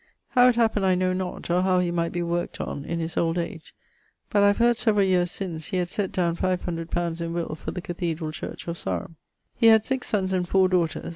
How it happened I know not, or how he might be workt on in his old age, but I have heard severall yeares since, he had sett downe 500 li. in will for the Cathedral Church of Sarum. He had 6 sonnes and 4 daughters.